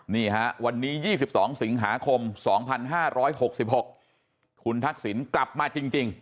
นี่ฮะวันนี้๒๒สิงหาคม๒๕๖๖คุณทักษิณกลับมาจริง